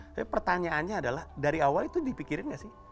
tapi pertanyaannya adalah dari awal itu dipikirin gak sih